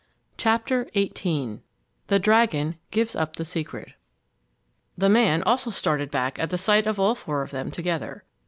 CHAPTER XVIII THE DRAGON GIVES UP THE SECRET THE man also started back at the sight of all four of them together.